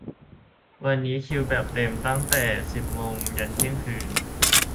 วันนี้คิวแบบ เต็มตั้งแต่สิบโมงครึ่งยันเที่ยงคืน